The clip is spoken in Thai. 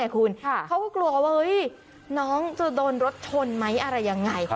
เขาก็กลัวว่าน้องจะโดนรถชนไหมอะไรยังไง